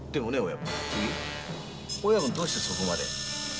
親分どうしてそこまで？